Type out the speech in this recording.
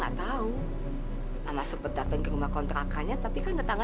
kalau ibu sakit dewi juga ikut sakit